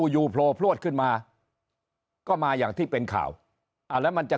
อยู่โผล่พลวดขึ้นมาก็มาอย่างที่เป็นข่าวแล้วมันจะ